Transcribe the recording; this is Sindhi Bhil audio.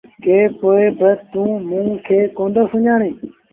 ڪيٚ پوء با توٚنٚ موٚنٚ کي ڪوندو سُڃآڻي؟